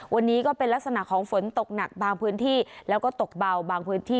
วันนี้ก็เป็นลักษณะของฝนตกหนักบางพื้นที่แล้วก็ตกเบาบางพื้นที่